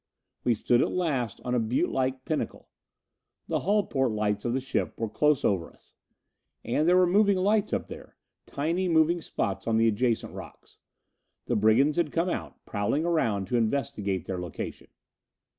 We stood at last on a buttelike pinnacle. The hull porte lights of the ship were close over us. And there were moving lights up there, tiny moving spots on the adjacent rocks. The brigands had come out, prowling around to investigate their location.